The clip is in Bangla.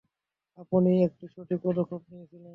আপনি একটি সঠিক পদক্ষেপ নিয়েছিলেন।